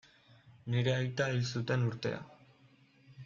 Nire aita hil zuten urtea.